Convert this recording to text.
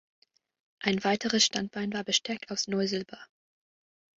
Ein weiteres Standbein war Besteck aus Neusilber.